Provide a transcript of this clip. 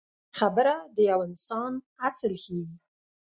خبره د یو انسان اصل ښيي.